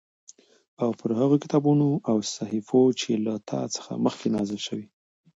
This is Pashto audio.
او پر هغو کتابونو او صحيفو چې له تا څخه مخکې نازل شوي